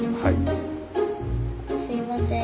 すいません。